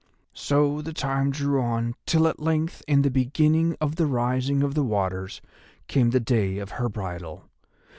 "So the time drew on till at length in the beginning of the rising of the waters came the day of her bridal.